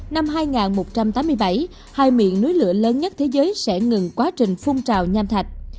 năm hai nghìn một trăm tám mươi bảy hai miền núi lửa lớn nhất thế giới sẽ ngừng quá trình phong trào nham thạch